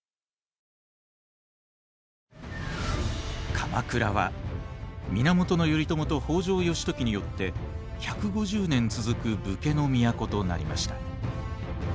鎌倉は源頼朝と北条義時によって１５０年続く武家の都となりました。